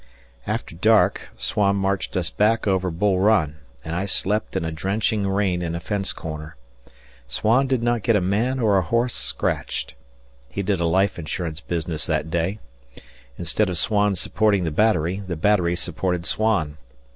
After dark Swan marched us back over Bull Run, and I slept in a drenching rain in a fence corner. Swan did not get a man or a horse scratched. He did a life insurance business that day. Instead of Swan supporting the battery, the battery supported Swan.